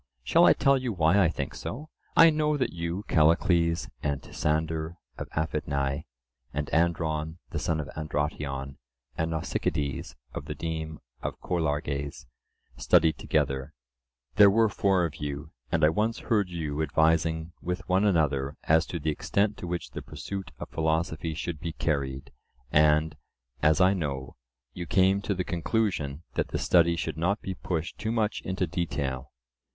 Shall I tell you why I think so? I know that you, Callicles, and Tisander of Aphidnae, and Andron the son of Androtion, and Nausicydes of the deme of Cholarges, studied together: there were four of you, and I once heard you advising with one another as to the extent to which the pursuit of philosophy should be carried, and, as I know, you came to the conclusion that the study should not be pushed too much into detail.